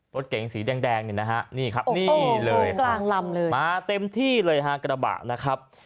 รถเก๋งสีแดงเนี่ยนะฮะนี่ครับนี่เลยกลางลำเลยมาเต็มที่เลยฮะกระบะนะครับ